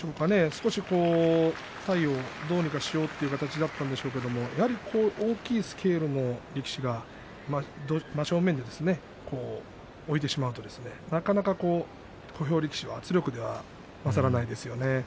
少し体をどうにかしようという形だったんでしょうけれどやはり大きいスケールの力士が真正面に置いてしまうと小兵力士はなかなか圧力では勝らないですよね。